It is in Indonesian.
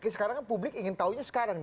sekarang publik ingin tahunya sekarang